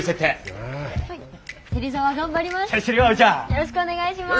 よろしくお願いします。